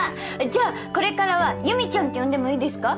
じゃあこれからはゆみちゃんって呼んでもいいですか。